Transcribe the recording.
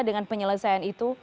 dengan penyelesaian itu